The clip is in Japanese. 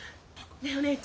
ねえお姉ちゃん。